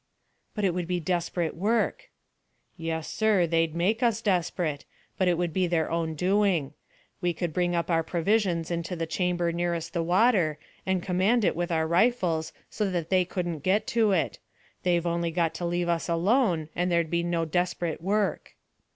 "But it would be desperate work." "Yes, sir, they'd make us desperate; but it would be their own doing. We could bring up our provisions into the chamber nearest the water, and command it with our rifles so that they couldn't get to it. They've only got to leave us alone and there'd be no desperate work."